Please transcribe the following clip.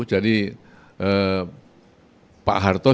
jadi pak harto sebagai